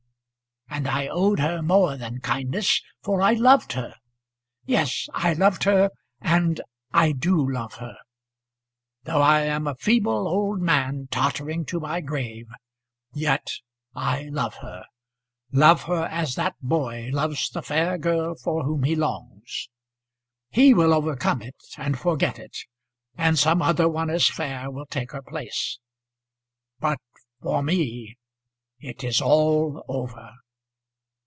"And I owed her more than kindness, for I loved her; yes, I loved her, and I do love her. Though I am a feeble old man, tottering to my grave, yet I love her love her as that boy loves the fair girl for whom he longs. He will overcome it, and forget it, and some other one as fair will take her place. But for me it is all over."